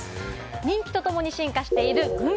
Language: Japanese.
人気とともに進化しているグミ。